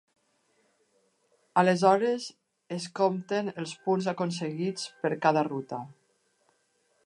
Aleshores es compten els punts aconseguits per cada ruta.